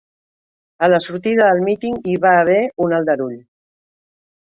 A la sortida del míting hi va haver un aldarull.